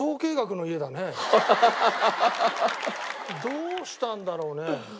どうしたんだろうね？